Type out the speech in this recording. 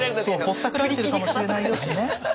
ぼったくられてるかもしれないよってね。